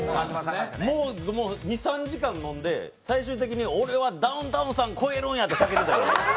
もう２３時間飲んで、最終的に俺はダウンタウンさん超えるんやって叫んでました。